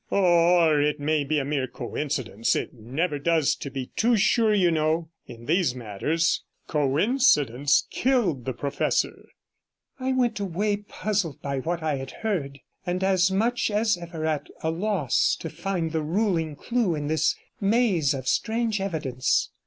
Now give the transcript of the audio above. Or it may be a mere coincidence. It never does to be too sure, you know, in these matters. Coincidence killed the 57 professor.' I went away puzzled by what I had heard, and as much as ever at a loss to find the ruling clue in this maze of strange evidence.